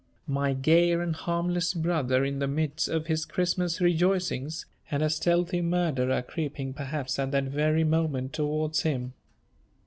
My gay and harmless brother in the midst of his Christmas rejoicings, and a stealthy murderer creeping perhaps at that very moment towards him.